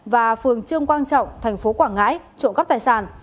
và phường trương quang trọng thành phố quảng ngãi trộm cắp tài sản